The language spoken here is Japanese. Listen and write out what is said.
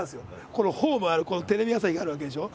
このホームテレビ朝日があるわけでしょ。